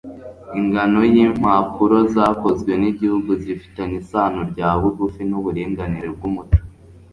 Ingano yimpapuro zakozwe nigihugu zifitanye isano rya bugufi nuburinganire bwumuco